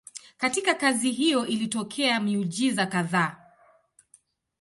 Katika kazi hiyo ilitokea miujiza kadhaa.